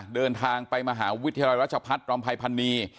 เดินทางไปมหาวิทยาลัยรัชพัฒน์รำภัยพันนี